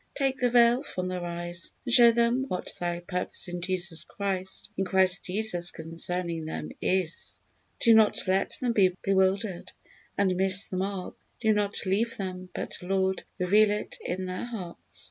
Take the veil from their eyes, and show them what Thy purpose in Christ Jesus concerning them is. Do not let them be bewildered and miss the mark; do not leave them, but Lord, reveal it in their hearts."